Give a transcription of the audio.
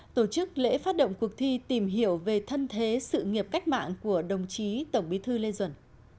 tổ chức lễ phát động cuộc thi tìm hiểu về thân thế sự nghiệp cách mạng của đồng chí tổng bí thư lê duẩn